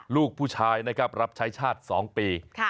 ลูกผู้ชายนะครับรับใช้ชาติ๒ปี